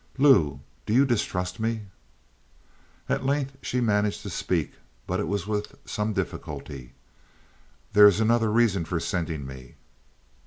"Lou, do you distrust me?" At length she managed to speak, but it was with some difficulty: "There is another reason for sending me."